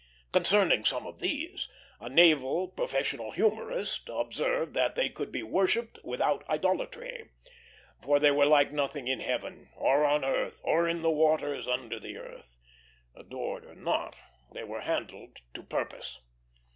Concerning some of these, a naval professional humorist observed that they could be worshipped without idolatry; for they were like nothing in heaven, or on earth, or in the waters under the earth. Adored or not, they were handled to purpose.